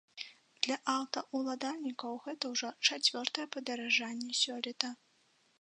Для аўтаўладальнікаў гэта ўжо чацвёртае падаражанне сёлета.